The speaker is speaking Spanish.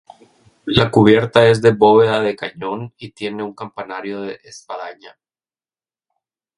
La cubierta es de bóveda de cañón y tiene un campanario de espadaña.